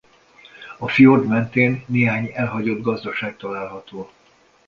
A fjord mentén néhány elhagyott gazdaság található.